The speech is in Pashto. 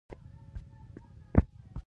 توپک انسان وژني، نه نجات ورکوي.